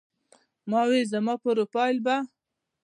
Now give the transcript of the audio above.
ما وې زما پروفائيل به